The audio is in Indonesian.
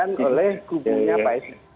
dilakukan oleh kubuhnya pak es